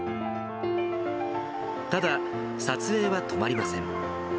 ただ、撮影は止まりません。